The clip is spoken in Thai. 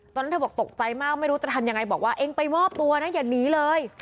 ตอนนั้นเธอบอกตกใจมากไม่รู้จะทำยังไงบอกว่าเองไปมอบตัวนะอย่าหนีเลย